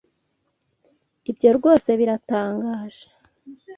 Ibyo rwose biratangaje